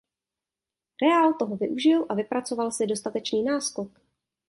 Real toho využil a vypracoval si dostatečný náskok.